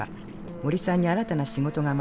森さんに新たな仕事が舞い込みます。